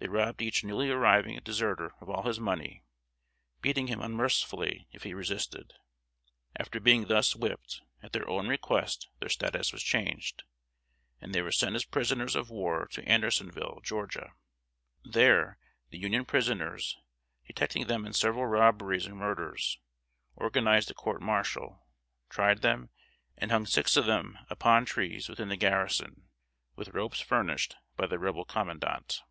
They robbed each newly arriving deserter of all his money, beating him unmercifully if he resisted. After being thus whipped, at their own request their status was changed, and they were sent as prisoners of war to Andersonville, Georgia. There the Union prisoners, detecting them in several robberies and murders, organized a court martial, tried them, and hung six of them upon trees within the garrison, with ropes furnished by the Rebel commandant.